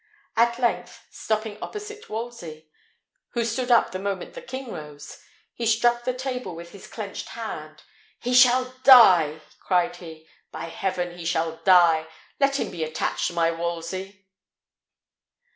At length, stopping opposite Wolsey, who stood up the moment the king rose, he struck the table with his clenched hand. "He shall die!" cried he; "by heaven, he shall die! Let him be attached, my Wolsey."